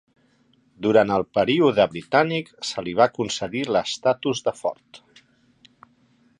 Durant el període britànic, se li va concedir l'estatus de fort.